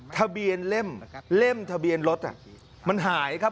ทะเบียนเล่มทะเบียนรถมันหายครับ